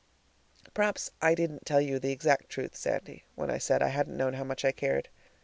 Perhaps I didn't tell you the exact truth, Sandy, when I said I hadn't known how much I cared.